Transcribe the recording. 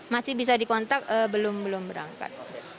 masih bisa dikontak belum berangkat